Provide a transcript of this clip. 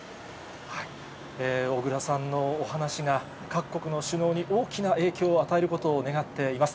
小倉さんのお話が、各国の首脳に大きな影響を与えることを願っています。